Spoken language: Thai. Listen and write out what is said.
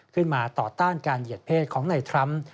ขึ้นมาต่อต้านการเหยียดเพศของในทรัมป์